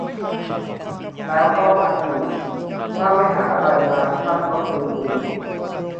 แล้วก็พังอีก ถ้าไม่หาอะไรมาคั่นลดอุณหภูมิ